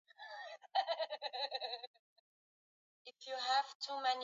kuliko kutumiwa na wananchi kukifikia chama na serikali kinyume na Tamko la rais